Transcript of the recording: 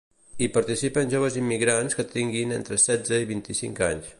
Hi participen joves immigrants que tinguin entre setze i vint-i-cinc anys.